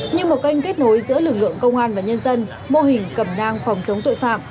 như một kênh kết nối giữa lực lượng công an và nhân dân mô hình cầm nang phòng chống tội phạm